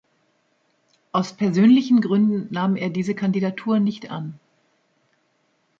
Aus persönlichen Gründen nahm er diese Kandidatur nicht an.